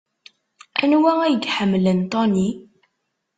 Anwa ay iḥemmlen Tony?